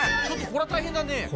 ちょっとこれは大変だね。